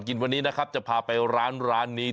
สักวันนี้ชั้นจะพาไปร้านนี้